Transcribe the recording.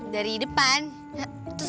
dari depan terus